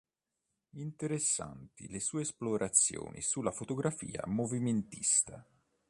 Interessanti le sue esplorazioni sulla fotografia movimentista.